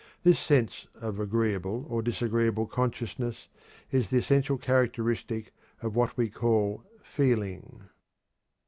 This sense of agreeable or disagreeable consciousness is the essential characteristic of what we call "feeling."